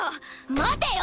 待てよ！